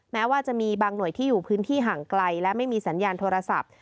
แม้ว่าจะมีบางหน่วยที่อยู่พื้นที่ห่างไกลและไม่มีสัญญาณโทรศัพท์